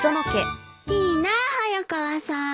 いいなあ早川さん。